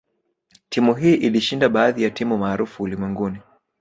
Timu hii ilishinda baadhi ya timu maarufu ulimwenguni